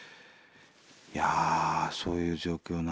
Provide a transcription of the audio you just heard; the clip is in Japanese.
いやそういう状況なんですね。